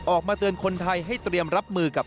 ออกมาเตือนคนไทยให้เตรียมรับมือกับ